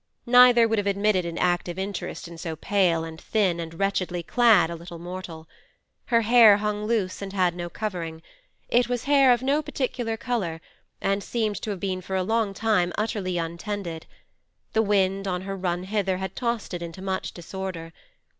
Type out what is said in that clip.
Neither would have admitted an active interest in so pale and thin and wretchedly clad a little mortal. Her hair hung loose, and had no covering; it was hair of no particular colour, and seemed to have been for a long time utterly untended; the wind, on her run hither, had tossed it into much disorder.